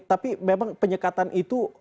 tapi memang penyekatan itu